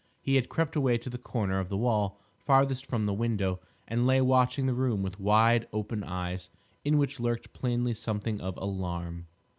He had crept away to the corner of the wall farthest from the window, and lay watching the room with wide open eyes, in which lurked plainly something of alarm.